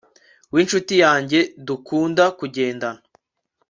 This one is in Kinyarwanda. winshuti yanjye dukunda kugendana